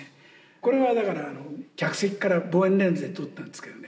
これはだから客席から望遠レンズで撮ったんですけどね